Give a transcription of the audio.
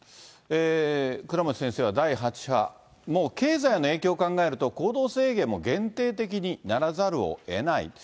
倉持先生は第８波、経済の影響を考えると、行動制限も限定的にならざるをえない。